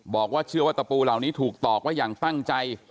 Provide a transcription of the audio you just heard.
บอกว่าเชื่อว่าตะปูเหล่านี้ถูกตอกไว้อย่างตั้งใจ